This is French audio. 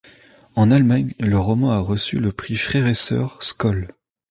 En Allemagne, le roman a reçu le prix frère et sœur Scholl.